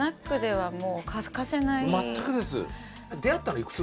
全くです。